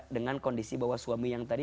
dengan kondisi bahwa suami yang tadi